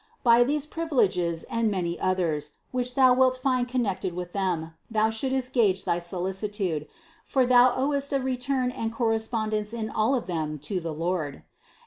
By these privileges and many others, which thou wilt find connected with them, thou shouldst gage thy solicitude, for thou owest a return and corres pondence in all of them to the Lord.